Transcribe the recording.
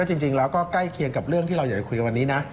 จริงแล้วก็ใกล้เคียงกับเรื่องที่เราอยากจะคุยกันวันนี้นะ